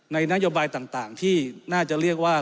นโยบายต่างที่น่าจะเรียกว่า